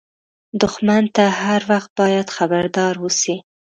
دښمن ته هر وخت باید خبردار اوسې